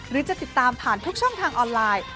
หรือจะติดตามผ่านทุกช่องทางออนไลน์